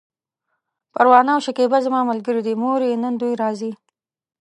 پروانه او شکيبه زما ملګرې دي، مورې! نن دوی راځي!